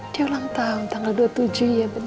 dia ulang tahun tanggal dua puluh tujuh ya beny